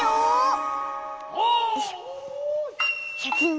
シャキーン！